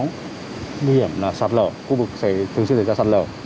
nguy hiểm là sạt lở khu vực thường xuyên xảy ra sạt lở